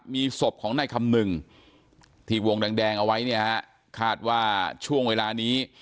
มีศพของนายคำนึงที่วงแดงเอาไว้เนี่ยฮะคาดว่าช่วงเวลานี้